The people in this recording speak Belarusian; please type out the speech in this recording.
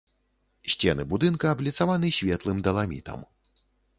Сцены будынка абліцаваны светлым даламітам.